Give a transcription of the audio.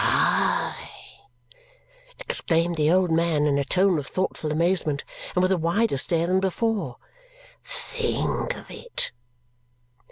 "Hi!" exclaimed the old man in a tone of thoughtful amazement and with a wider stare than before. "Think of it!"